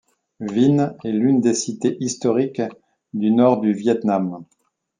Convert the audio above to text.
Vinh est l'une des cités historiques du nord du Viêt Nam.